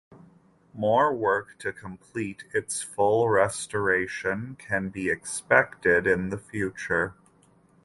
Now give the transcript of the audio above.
More work to complete its full restoration can be expected in the future.